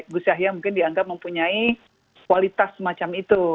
gus yahya mungkin dianggap mempunyai kualitas semacam itu